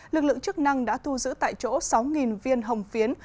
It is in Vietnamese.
lực lượng chức năng đã thu giữ tại chỗ sáu viên hồng phiến